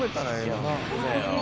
やな。